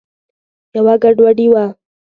یوه ګډوډي وه.